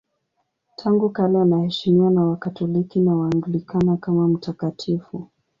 Tangu kale anaheshimiwa na Wakatoliki na Waanglikana kama mtakatifu.